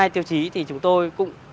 hai mươi hai tiêu chí thì chúng tôi cũng